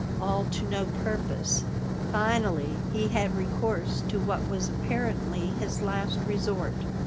All to no purpose. Finally, he had recourse to what was apparently his last resort.